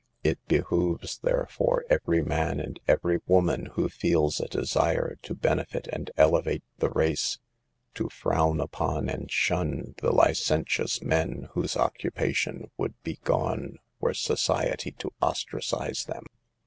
It behooves, therefore, every man and every woman who feels a desire to benefit and elevate the race, to frown upon and shun the licentious men whose occupation would be gone were society to ostracise them.